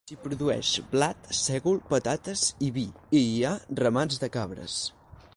S'hi produeix blat, sègol, patates i vi, i hi ha ramats de cabres.